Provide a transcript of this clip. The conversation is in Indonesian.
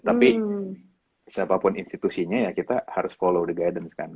tapi siapapun institusinya ya kita harus follow the guidance kan